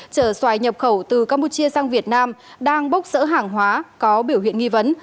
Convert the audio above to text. chở xoài nhập khẩu từ campuchia sang việt nam đang bốc rỡ hàng hóa có biểu hiện nghi vấn